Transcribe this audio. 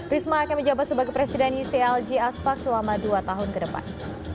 risma akan menjabat sebagai presiden uclg aspark selama dua tahun ke depan